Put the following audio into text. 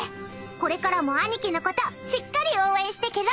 これからも兄貴のことしっかり応援してけろ。